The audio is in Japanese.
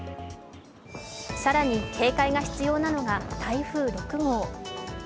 更に警戒が必要なのが台風６号。